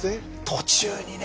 途中にね